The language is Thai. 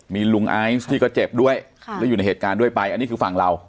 มีลุงไอซ์ที่ก็เจ็บด้วยแล้วอยู่ในเหตุการณ์ด้วยไปอันนี้คือฝั่งเรา